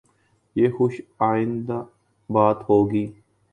یہ خوش آئند بات ہو گی۔